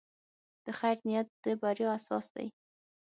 د خیر نیت د بریا اساس دی.